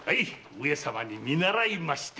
上様に見習いまして。